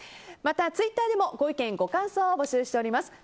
ツイッターでもご意見、ご感想を募集しております。